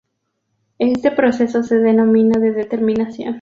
Este proceso se denomina de determinación.